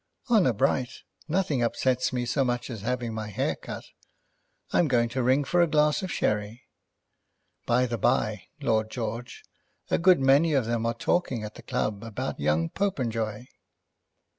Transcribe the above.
"Honour bright! Nothing upsets me so much as having my hair cut. I'm going to ring for a glass of sherry. By the bye, Lord George, a good many of them are talking at the club about young Popenjoy."